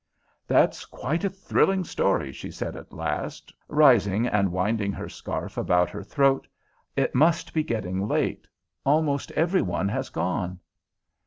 "That's quite a thrilling story," she said at last, rising and winding her scarf about her throat. "It must be getting late. Almost every one has gone."